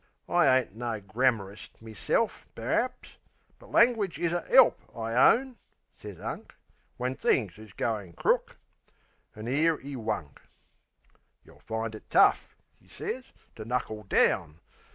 I ain't no grammarist meself, per'aps, But langwidge is a 'elp, I owns," sez Unk, "When things is goin' crook." An' 'ere 'e wunk. "Yeh'll find it tough," 'e sez, "to knuckle down.